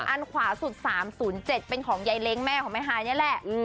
อันขวาสุด๓๐๗เป็นของยายเล้งแม่ของแม่ฮายนี่แหละ